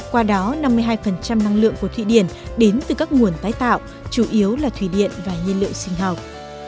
qua đó năm mươi hai năng lượng của thụy điển đến từ các nguồn tái tạo chủ yếu là thủy điện và nhiên liệu sinh học